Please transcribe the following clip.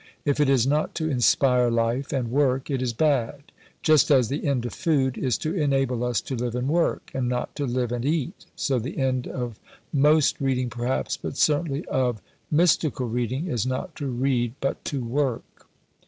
If it is not to inspire life and work, it is bad. Just as the end of food is to enable us to live and work, and not to live and eat, so the end of most reading perhaps, but certainly of mystical reading is not to read but to work.